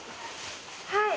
はい。